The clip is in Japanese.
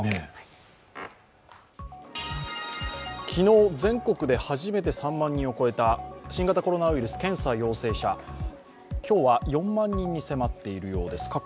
昨日、全国で初めて３万人を超えた新型コロナウイルス検査陽性者、今日は４万人に迫っているようです